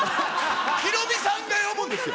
ヒロミさんが呼ぶんですよ！